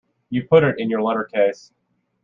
You put it in your letter-case.